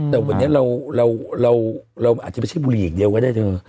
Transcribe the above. แต่วันนี้เราอาจจะไม่ใช่บุหรี่อย่างเดียวก็ได้เธอ